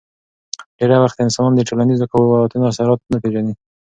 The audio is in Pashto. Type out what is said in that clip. ډېری وخت انسانان د ټولنیزو قوتونو اثرات نه پېژني.